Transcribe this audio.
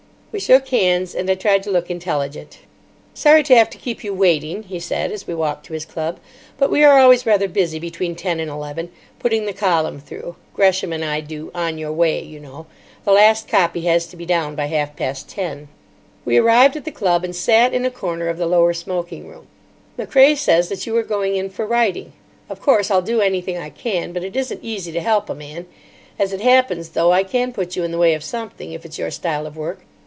We shook hands, and I tried to look intelligent. "Sorry to have to keep you waiting," he said, as we walked to his club; "but we are always rather busy between ten and eleven, putting the column through. Gresham and I do 'On Your Way,' you know. The last copy has to be down by half past ten." We arrived at the Club, and sat in a corner of the lower smoking room. "Macrae says that you are going in for writing. Of course, I'll do anything I can, but it isn't easy to help a man. As it happens, though, I can put you in the way of something, if it's your style of work.